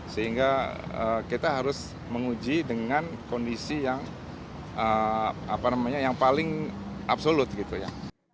sehingga kita harus menguji dengan kondisi yang paling absolut gitu ya